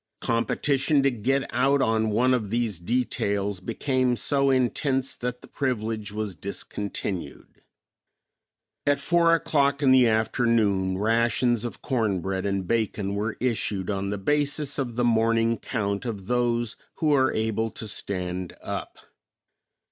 Competition to get out on one of these details became so intense that the privilege was discontinued. At four o'clock in the afternoon rations of corn bread and bacon were issued on the basis of the morning count of those who are able to stand up.